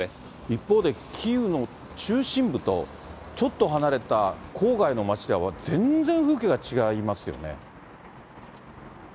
一方で、キーウの中心部と、ちょっと離れた郊外の街では全然風景が違いますよね。